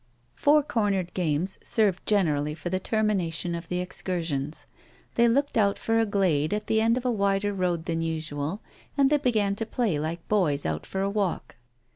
Four cornered games served generally for the termination of the excursions. They looked out for a glade at the end of a wider road than usual, and they began to play like boys out for a walk.